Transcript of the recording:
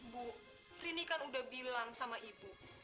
bu rini kan udah bilang sama ibu